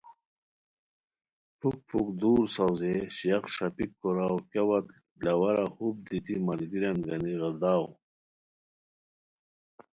پُھک پُھک دُور ساؤزئے شیاق ݰاپیک کوراؤ کیا وت لاوارہ ہوپ دیتی ملگیریان گانی غیرداؤ